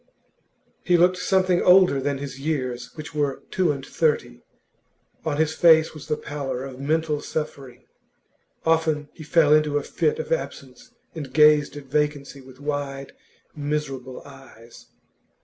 He looked something older than his years, which were two and thirty; on his face was the pallor of mental suffering. Often he fell into a fit of absence, and gazed at vacancy with wide, miserable eyes.